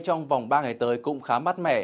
trong vòng ba ngày tới cũng khá mát mẻ